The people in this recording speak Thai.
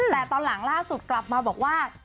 แต่ตอนหลังล่าสุดกลับมาบอกว่า